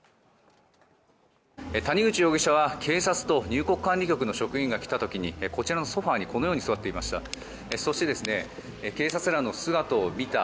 谷口容疑者は警察と入国管理局の職員が来た時にこちらのソファにこのように座っていました。